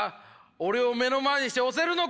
俺を目の前にして押せるのか！？